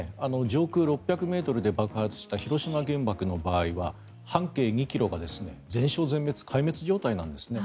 上空６００ｍで爆発した、広島原爆の場合は半径２ｋｍが全焼、全滅壊滅状態なんですね。